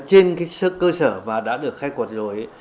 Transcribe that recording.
trên cơ sở và đã được khai quật rồi